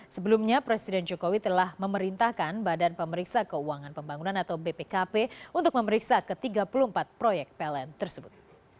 sebelumnya presiden jokowi telah memerintahkan badan pemeriksa keuangan pembangunan atau bpkp untuk memeriksa ke tiga puluh empat proyek pln tersebut